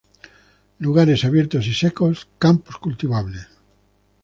Lugares abiertos y secos, campos cultivables.